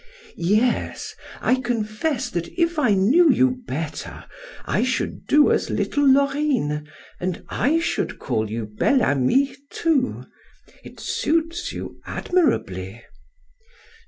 "Yes, I confess that if I knew you better, I should do as little Laurine, and I should call you Bel Ami, too. It suits you admirably."